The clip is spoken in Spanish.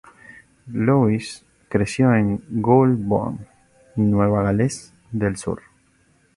Louis creció en Goulburn, Nueva Gales del Sur.